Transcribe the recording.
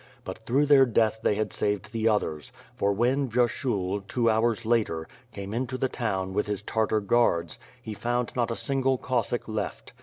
But through their death they had saved the others, for when, Vyershul, two hours later, came into the town, with his Tartar guards, he found not a single Cossack left.